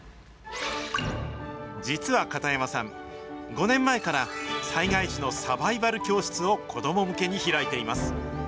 実は片山さん、５年前から、災害時のサバイバル教室を子ども向けに開いています。